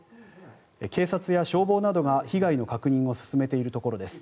警察や消防などが被害の確認を進めているところです。